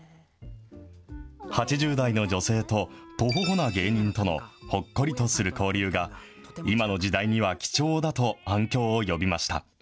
８０代の女性とトホホな芸人とのほっこりとする交流が、今の時代には貴重だと反響を呼びました。